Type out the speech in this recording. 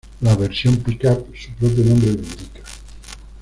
La versión pick-up, su propio nombre lo indica.